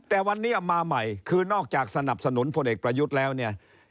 แต่วันนี้มาใหม่คือนอกจากสนับสนุนพลเอกประยุทธ์แล้วเนี่ย